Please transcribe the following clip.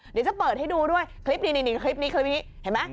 เดี๋ยวจะเปิดให้ดูด้วยคลิปนี้คลิปนี้เห็นไหม